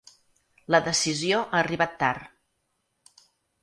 La decisió ha arribat tard.